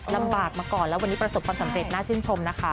ลำบากมาก่อนแล้ววันนี้ประสบความสำเร็จน่าชื่นชมนะคะ